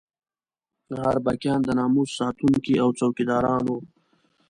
اربکیان د ناموس ساتونکي او څوکیداران وو.